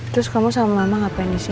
terus kamu sama mama ngapain disini